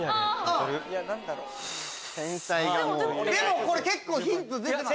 でも結構ヒント出てます。